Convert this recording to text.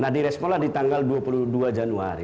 nah direspola di tanggal dua puluh dua januari